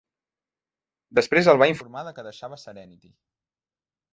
Després el va informar de que deixava "Serenity".